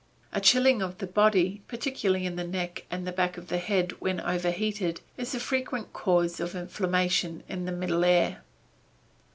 A chilling of the body, particularly in the neck and the back of the head when overheated is a frequent cause of inflammation of the middle ear.